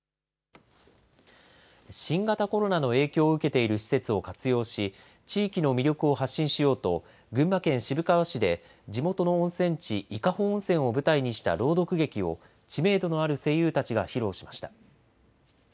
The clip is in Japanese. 新型コロナの影響を受けている施設を活用し、地域の魅力を発信しようと、群馬県渋川市で、地元の温泉地、伊香保温泉を舞台にした朗読劇を、知名度のある声優たちが披露しました。